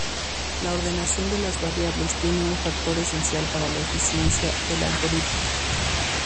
La ordenación de las variables tiene un factor esencial para la eficiencia del algoritmo.